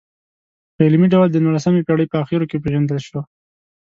په علمي ډول د نولسمې پېړۍ په اخرو کې وپېژندل شوه.